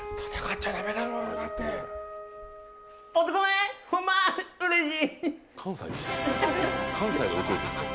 うれしい。